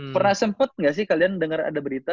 pernah sempet gak sih kalian denger ada berita